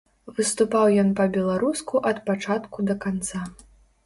Выступаў ён па-беларуску ад пачатку да канца.